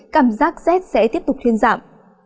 cảm giác rét sẽ tiếp tục thiên giảm